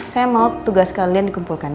saya mau tugas kalian dikumpulkan